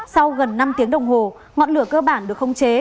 sau gần năm tiếng đồng hồ ngọn lửa cơ bản được khống chế